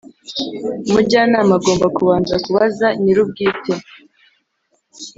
umujyanama agomba kubanza kubaza nyir’ubwite.